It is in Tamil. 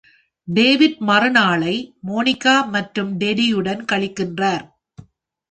டேவிட் மறுநாளை மோனிகா மற்றும் டெடியுடன் கழிக்கிறார்.